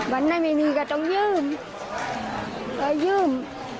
วันไหนไม่มีก็ต้องยืมก็ยืม